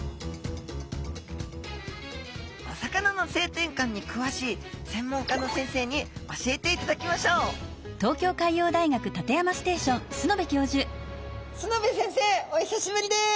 お魚の性転換にくわしい専門家の先生に教えていただきましょう須之部先生お久しぶりです。